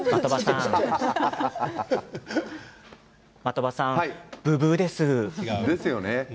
的場さん、ブブーです。ですよね。